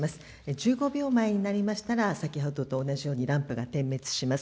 １５秒前になりましたら、先ほどと同じようにランプが点滅します。